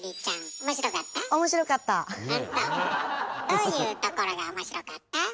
どういうところが面白かった？